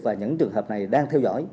và những trường hợp này đang theo dõi